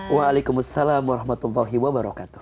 waalaikumsalam warahmatullahi wabarakatuh